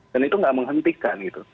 dan itu nggak menghentikan gitu